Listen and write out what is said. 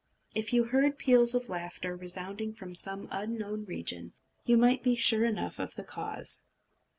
If you heard peals of laughter resounding from some unknown region, you might be sure enough of the cause.